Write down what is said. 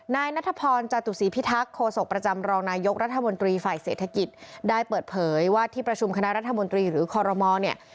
นายนัทพรจตุศีพิทักษ์โคศกประจำรองนายกรัฐมนตรีฝ่ายเศรษฐกิจได้เปิดเผยว่าที่ประชุมคณะรัฐมนตรีหรือคอรมอลเนี่ย